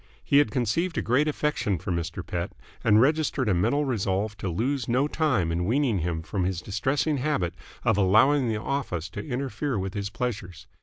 He had conceived a great affection for Mr. Pett, and registered a mental resolve to lose no time in weaning him from his distressing habit of allowing the office to interfere with his pleasures.